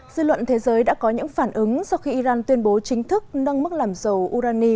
dư luận thế giới đã có những phản ứng sau khi iran tuyên bố chính thức nâng mức làm dầu urani